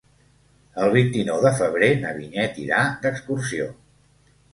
El vint-i-nou de febrer na Vinyet irà d'excursió.